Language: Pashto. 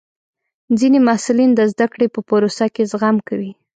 ځینې محصلین د زده کړې په پروسه کې زغم کوي.